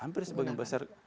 hampir sebagian besar